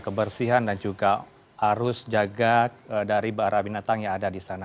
kebersihan dan juga arus jaga dari bara binatang yang ada di sana